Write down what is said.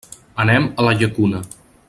Anem a la Llacuna.